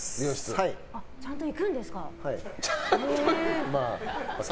ちゃんと行くんですか。